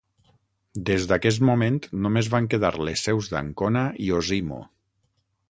Des d'aquest moment només van quedar les seus d'Ancona i Osimo.